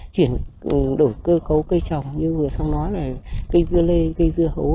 chuyển đổi cơ cấu cây trồng nhưng vừa xong nói là cây dưa lê cây dưa hấu